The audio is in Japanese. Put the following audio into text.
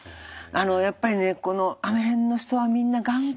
やっぱりねあの辺の人はみんな頑固。